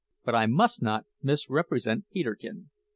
But I must not misrepresent Peterkin.